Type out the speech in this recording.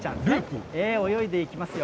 泳いでいきますよ。